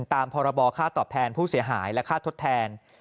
ตามพรบค่าตอบแทนผู้เสียหายและค่าทดแทน